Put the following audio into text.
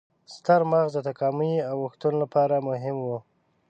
ستر مغز د تکاملي اوښتون لپاره مهم و.